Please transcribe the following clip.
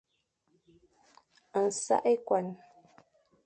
Nsak ekuan.